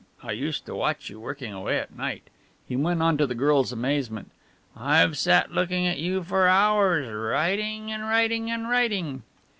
I used to watch you working away at night," he went on to the girl's amazement. "I've sat looking at you for hours, writing and writing and writing."